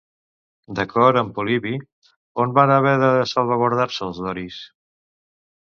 D'acord amb Polibi, on van haver de salvaguardar-se els doris?